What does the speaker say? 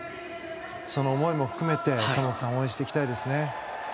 その思いも含めて、神本さんを応援していきたいですね。